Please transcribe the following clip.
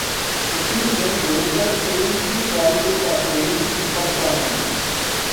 The team then later failed to qualify for the Olympic football tournament.